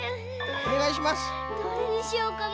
どれにしようかな。